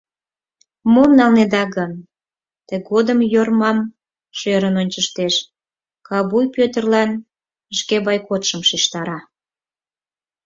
Мом налнеда гын? — тыгодым Йормам шӧрын ончыштеш, кабуй Пӧтырлан шке бойкотшым шижтара.